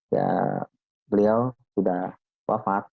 ya beliau sudah wafat